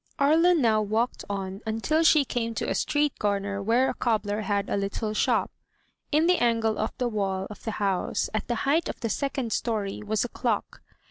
Aria now walked on until she came to a street corner where a cobbler had a little shop. In the angle of the wall of the house, at the height of the second story, was a clock.